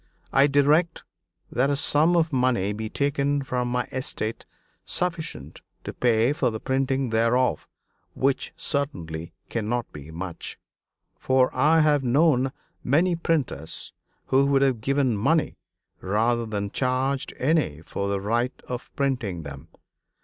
I direct that a sum of money be taken from my estate sufficient to pay for the printing thereof, which certainly cannot be much; for I have known many printers who would have given money rather than charged any for the right of printing them.